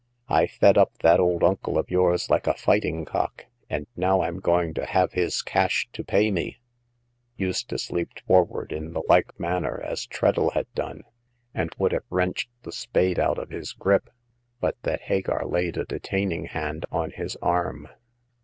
I fed up that old uncle of yours like a fighting cock, and now I'm going to have his cash to pay me !" Eustace leaped forward in the like manner as Treadle had done, and would have wrenched the spade out of his grip, but that Hagar laid a de taining hand on his arm.